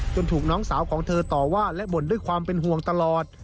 ถูกน้องสาวของเธอต่อว่าและบ่นด้วยความเป็นห่วงตลอด